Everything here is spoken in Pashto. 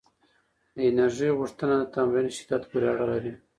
د انرژۍ غوښتنه د تمرین شدت پورې اړه لري؟